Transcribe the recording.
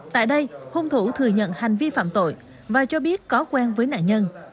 tại đây hung thủ thừa nhận hành vi phạm tội và cho biết có quen với nạn nhân